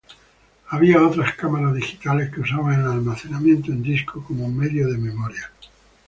Había otras cámaras digitales que usaban el almacenamiento en disco como medio de memoria.